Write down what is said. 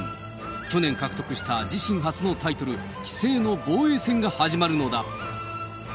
去年獲得した自身初のタイトル、棋聖の防衛戦が始まるのだ。